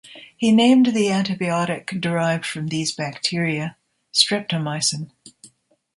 He named the antibiotic derived from these bacteria streptomycin.